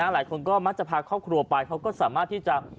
หลายคนก็มักจะพาครอบครัวไปเขาก็สามารถที่จะ